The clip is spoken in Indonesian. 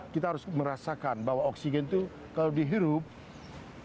kita harus merasakan bahwa oksigen itu kalau dihirup tidak bisa kita lakukan